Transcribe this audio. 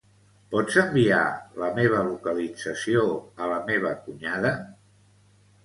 Pots enviar la meva localització a la meva cunyada?